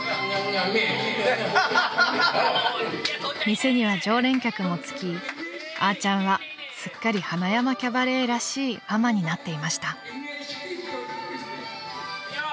［店には常連客もつきあーちゃんはすっかり塙山キャバレーらしいママになっていました］